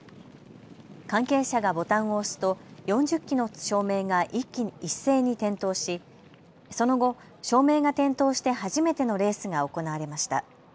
関係者がボタンを押すと４０基の照明が一斉に点灯しその後、照明が点灯して初めてのレースが行われました。